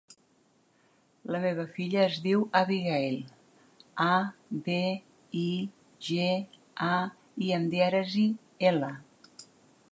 La meva filla es diu Abigaïl: a, be, i, ge, a, i amb dièresi, ela.